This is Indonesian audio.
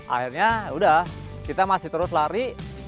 akhirnya udah kita masih terus lari